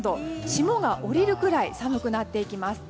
霜が降りるくらい寒くなっていきます。